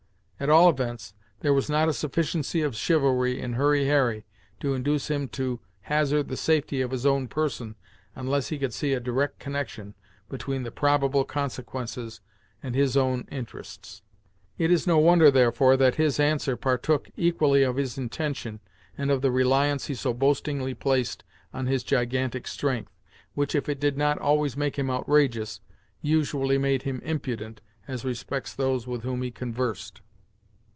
At all events, there was not a sufficiency of chivalry in Hurry Harry to induce him to hazard the safety of his own person unless he could see a direct connection between the probable consequences and his own interests. It is no wonder, therefore, that his answer partook equally of his intention, and of the reliance he so boastingly placed on his gigantic strength, which if it did not always make him outrageous, usually made him impudent, as respects those with whom he conversed.